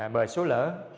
bờ xói lở